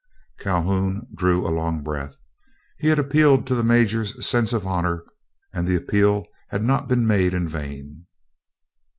Calhoun drew a long breath. He had appealed to the major's sense of honor, and the appeal had not been made in vain.